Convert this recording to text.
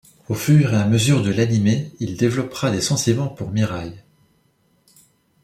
Au fur et à mesure de l’anime il développera des sentiments pour Mirai.